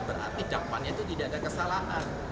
berarti dampaknya itu tidak ada kesalahan